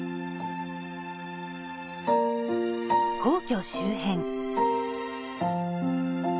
皇居周辺。